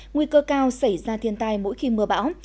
nguy cơ cao xảy ra thiên tai mỗi khi mưa bão